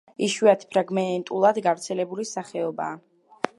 იშვიათი, ფრაგმენტულად გავრცელებული სახეობაა.